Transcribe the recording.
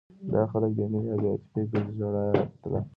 دا خلک بې مینې او بې عاطفې ګرځي ژړا یې راتله.